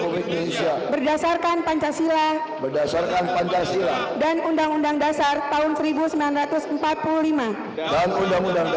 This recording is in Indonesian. berdasarkan pancasila dan undang undang dasar tahun seribu sembilan ratus empat puluh lima